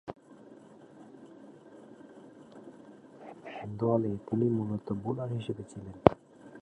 দলে তিনি মূলতঃ বোলার হিসেবে ছিলেন।